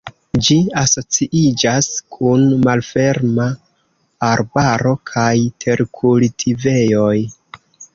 Ĝi asociiĝas kun malferma arbaro kaj terkultivejoj.